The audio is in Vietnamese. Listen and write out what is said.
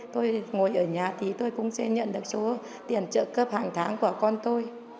tôi ngồi ở nhà thì tôi cũng sẽ nhận được số tiền trợ cấp hàng tháng của con tôi